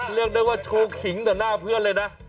เรียกได้ว่าโชว์ขิงต่อหน้าเพื่อนเลยนะ